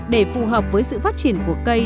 để phù hợp với sự phát triển của cây